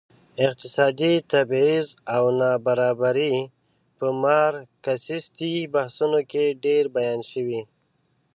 اقتصادي تبعيض او نابرابري په مارکسيستي بحثونو کې ډېر بیان شوي.